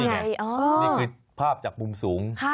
อันนี้ไงนี่คือภาพจากมุมสูง